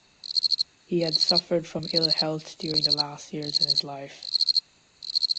He had suffered from ill health during the last years in his life.